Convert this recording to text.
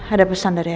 ada pesan dari elsa